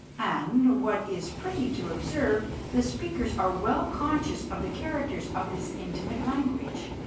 And what is pretty to observe the speakers are well conscious of the characters of this intimate language.